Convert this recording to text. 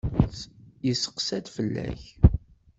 Yesseqsa-d fell-ak.